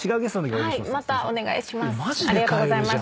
またお願いします。